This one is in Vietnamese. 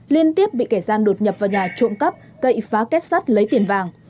liên tiếp bị kẻ gian đột nhập vào nhà trộm cắp cậy phá kết sắt lấy tiền vàng